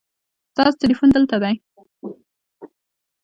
ستاسو تلیفون دلته دی